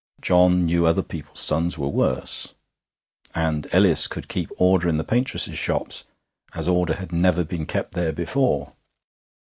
John knew other people's sons who were worse. And Ellis could keep order in the paintresses' 'shops' as order had never been kept there before.